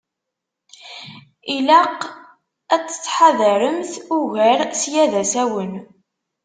Ilaq ad tettḥadaremt ugar, ssya d asawen.